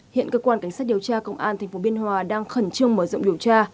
hiện cơ quan cảnh sát điều tra công an tp biên hòa đang khẩn trương mở rộng điều tra